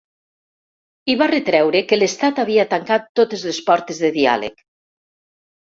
I va retreure que l’estat havia tancat totes les portes de diàleg.